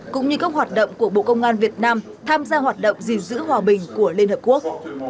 cũng như các hoạt động của bộ công an việt nam tham gia hoạt động gìn giữ hòa bình của liên hợp quốc